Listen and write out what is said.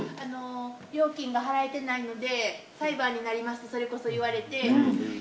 料金が払えてないので、裁判になりますって、それこそ言われて。